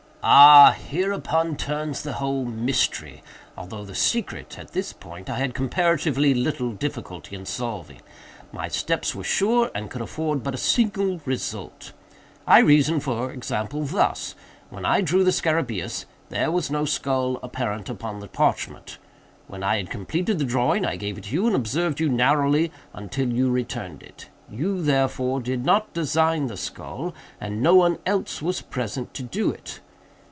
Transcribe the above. _" "Ah, hereupon turns the whole mystery; although the secret, at this point, I had comparatively little difficulty in solving. My steps were sure, and could afford but a single result. I reasoned, for example, thus: When I drew the scarabæus, there was no skull apparent upon the parchment. When I had completed the drawing I gave it to you, and observed you narrowly until you returned it. You, therefore, did not design the skull, and no one else was present to do it.